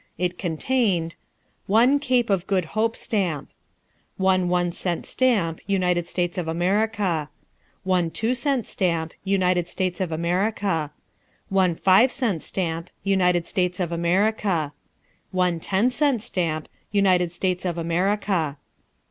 It contained: One Cape of Good Hope stamp. One one cent stamp, United States of America. One two cent stamp, United States of America. One five cent stamp, United States of America. One ten cent stamp, United States of America.